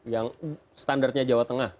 yang standarnya jawa tengah